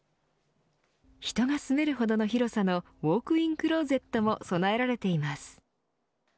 人が住めるほどの広さのウオークインクロゼットも備えられています。